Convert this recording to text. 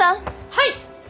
・はい！